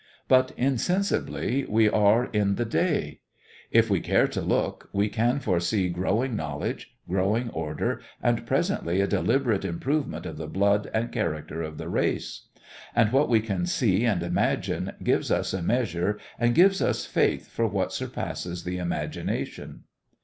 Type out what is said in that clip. But insensibly we are in the day. If we care to look, we can foresee growing knowledge, growing order, and presently a deliberate improvement of the blood and character of the race. And what we can see and imagine gives us a measure and gives us faith for what surpasses the imagination.